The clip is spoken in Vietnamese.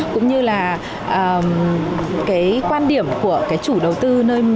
cũng như là cái quan điểm của cái chủ đầu tư nơi